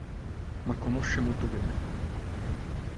Ma conosce molto bene.